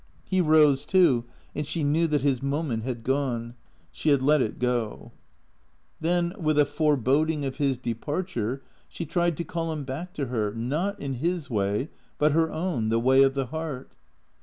He rose too, and she knew that his moment had gone. She had let it go. 14 THECEEATOES Then, with a foreboding of his departure, she tried to call him back to her, not in his way, but her own, the way of the heart.